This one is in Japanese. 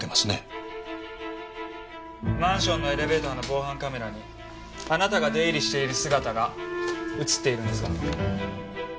マンションのエレベーターの防犯カメラにあなたが出入りしている姿が映っているんですが。